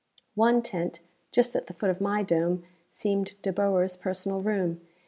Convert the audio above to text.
One tent, just at the foot of my dome, seemed De Boer's personal room.